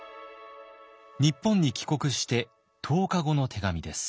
日本に帰国して１０日後の手紙です。